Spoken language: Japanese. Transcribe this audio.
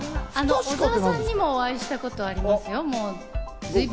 小澤さんにもお会いしたことありますよ。